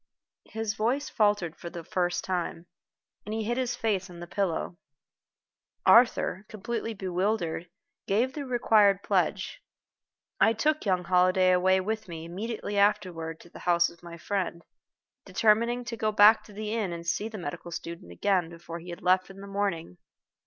His voice faltered for the first time, and he hid his face on the pillow. Arthur, completely bewildered, gave the required pledge. I took young Holliday away with me immediately afterward to the house of my friend, determining to go back to the inn and to see the medical student again before he had left in the morning.